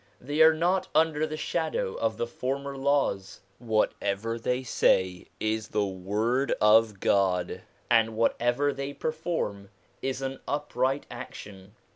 They are not under the shadow of the former laws. Whatever they say is the word of God, and whatever they perform is an upright action.